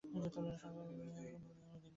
সকালবেলায় তোমার মুখ দেখলে আমার দিন খারাপ যায়।